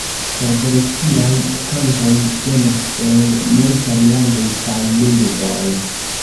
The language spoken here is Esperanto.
Revoluciaj kantoj venas el multaj landoj kaj lingvoj.